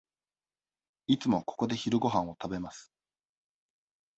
いつもここで昼ごはんを食べます。